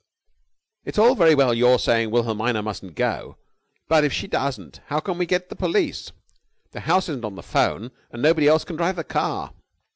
"It's all very well your saying Wilhelmina mustn't go, but, if she doesn't, how can we get the police? The house isn't on the 'phone, and nobody else can drive the car."